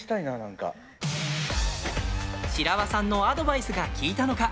白輪さんのアドバイスが効いたのか